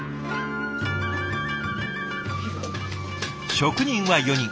職人は４人。